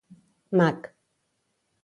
Mag: